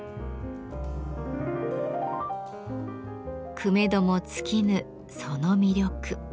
くめども尽きぬその魅力。